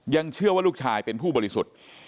เชื่อว่าลูกชายเป็นผู้บริสุทธิ์